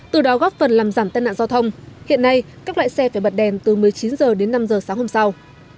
từ đó góp phần làm giảm tai nạn giao thông hiện nay các loại xe phải bật đèn từ một mươi chín h đến năm h sáng hôm sau